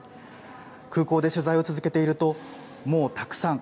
空港で取材を続けていると、もうたくさん。